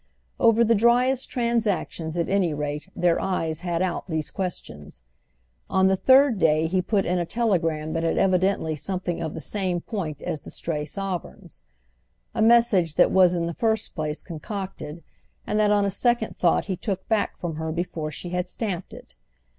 Over the dryest transactions, at any rate, their eyes had out these questions. On the third day he put in a telegram that had evidently something of the same point as the stray sovereigns—a message that was in the first place concocted and that on a second thought he took back from her before she had stamped it.